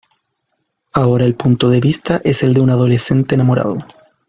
Ahora el punto de vista es el de un adolescente enamorado.